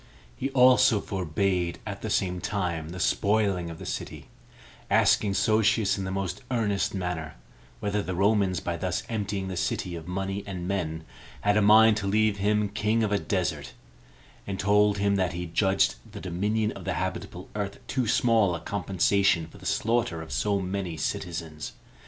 He also forbade, at the same time, the spoiling of the city, asking Sosius in the most earnest manner, whether the Romans, by thus emptying the city of money and men, had a mind to leave him king of a desert, and told him that he judged the dominion of the habitable earth too small a compensation for the slaughter of so many citizens.